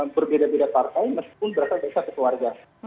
berbeda beda partai meskipun berada di satu keluarga